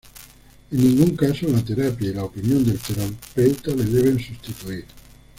En ningún caso la terapia y la opinión del terapeuta le deben sustituir.